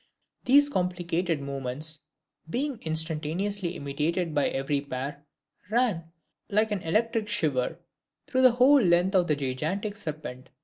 These complicated movements, being instantaneously imitated by every pair, ran, like an electric shiver, through the whole length of this gigantic serpent.